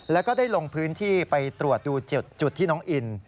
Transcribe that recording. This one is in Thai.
แล้วก็ได้ลงพื้นที่ไปตรวจดูจุดที่น้องอิน